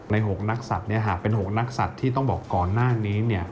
ใน๖นักศัตริย์เป็น๖นักศัตริย์ที่ต้องบอกก่อนหน้านี้